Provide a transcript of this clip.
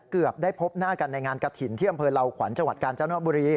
เกือบได้พบหน้ากันในงานกระถิ่นที่อำเภอเหล่าขวัญจังหวัดกาญจนบุรี